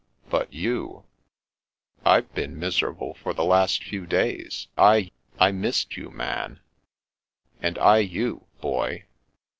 But you "" I've been miserable for the last few days. I — I missed you, Man." " And I you, Boy."